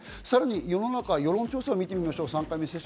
さらに世の中、世論調査を見てみます。